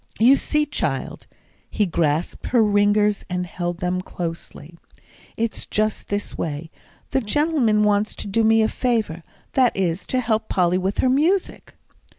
"You see, child," he grasped her fingers and held them closely, "it's just this way: the gentleman wants to do me a favour; that is, to help Polly with her music."